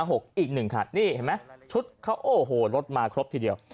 นี่เห็นมั้ยชุดเขาโอ้โหรถมาครบทีเดียว